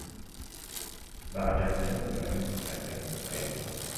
The attendant glanced at a shelf.